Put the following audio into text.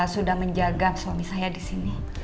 sudah menjaga suami saya disini